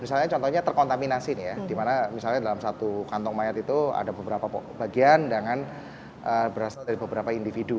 misalnya contohnya terkontaminasi nih ya dimana misalnya dalam satu kantong mayat itu ada beberapa bagian dengan berasal dari beberapa individu